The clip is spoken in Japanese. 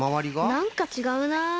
なんかちがうな。